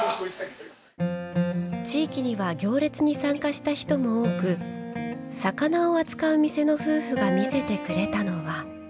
地域には行列に参加した人も多く魚を扱う店の夫婦が見せてくれたのは。